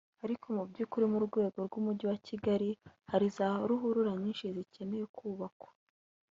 ariko mu by’ukuri mu rwego rw’Umujyi wa Kigali hari za ruhurura nyinshi zikeneye kubakwa